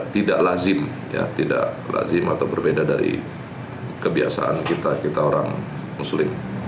tidak lazim tidak lazim atau berbeda dari kebiasaan kita kita orang muslim